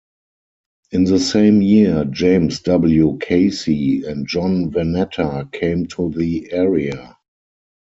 In the same year, James W. Casey and John Vanatta came to the area.